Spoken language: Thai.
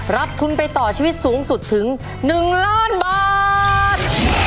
รับทุนไปต่อชีวิตสูงสุดถึง๑ล้านบาท